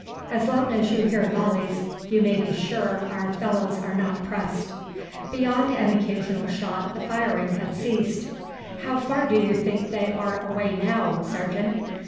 As long as you hear volleys you may be sure our fellows are not pressed." Beyond an occasional shot the firing had ceased. "How far do you think they are away now, sergeant?"